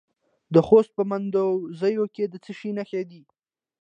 د خوست په مندوزیو کې د څه شي نښې دي؟